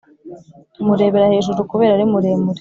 tumurebera hejuru kubera ari muremure